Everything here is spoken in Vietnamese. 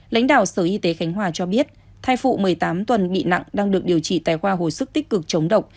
lãnh đạo sở y tế khánh hòa cho biết thai phụ một mươi tám tuần bị nặng đang được điều trị tại khoa hồi sức tích cực chống độc